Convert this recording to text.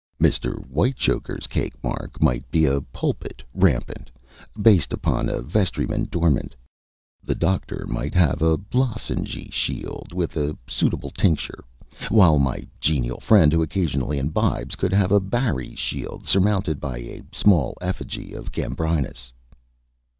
Mr. Whitechoker's cake mark might be a pulpit rampant, based upon a vestryman dormant. The Doctor might have a lozengy shield with a suitable tincture, while my genial friend who occasionally imbibes could have a barry shield surmounted by a small effigy of Gambrinus."